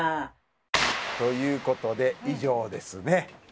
という事で以上ですね。